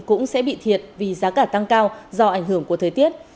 cũng sẽ bị thiệt vì giá cả tăng cao do ảnh hưởng của thời tiết